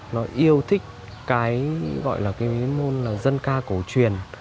nó yêu thích cái gọi là cái môn là dân ca cổ truyền